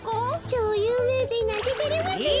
ちょうゆうめいじんなんててれますねえ。